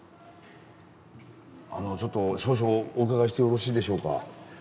あのちょっと少々お伺いしてよろしいでしょうか。